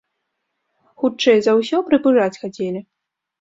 Хутчэй за ўсё, прыпужаць хацелі.